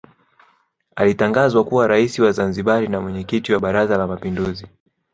Alitangazwa kuwa Rais wa Zanzibar na Mwenyekiti wa Baraza la Mapinduzi